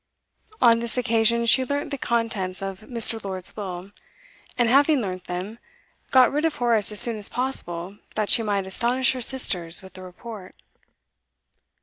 On this occasion she learnt the contents of Mr. Lord's will, and having learnt them, got rid of Horace as soon as possible that she might astonish her sisters with the report.